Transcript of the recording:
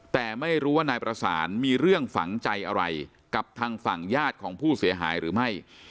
แต่ไม่รู้ว่านายประสานมีเรื่องฝังใจอะไรกับทางฝั่งญาติของผู้เสียหายหรือไม่